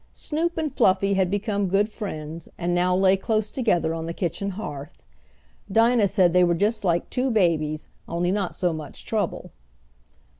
Snoop and Fluffy had become good friends, and now lay close together on the kitchen hearth. Dinah said they were just like two babies, only not so much trouble.